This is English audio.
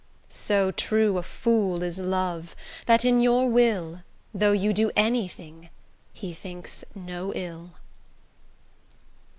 So true a fool is love, that in your will, Though you do anything, he thinks no ill.